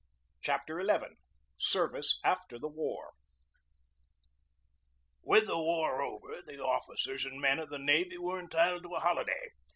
CHAPTER XI SERVICE AFTER THE WAR WITH the war over, the officers and men of the navy were entitled to a holiday.